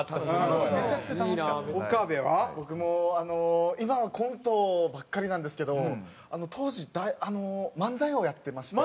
僕もあの今はコントばっかりなんですけど当時漫才をやってまして。